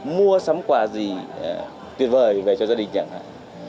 mua sắm quà gì tuyệt vời về cho gia đình nhận hại